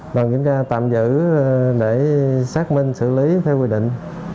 đoàn kiểm tra tạm giữ để xác minh xử lý theo quy định